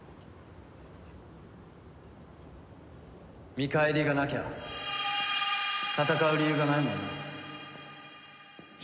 見返りがなきゃ戦う理由がないもんな。